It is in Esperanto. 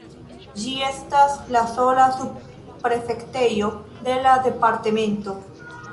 Ĝi estas la sola subprefektejo de la departemento.